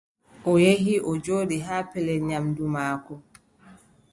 O yehi, o jooɗi haa pellel nyaamndu maako.